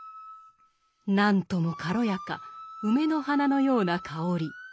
何とも軽やか梅の花のような香り。